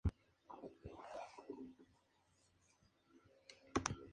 El fruto es aplanado.